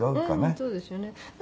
そうですよね。